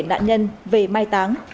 nạn nhân về mai táng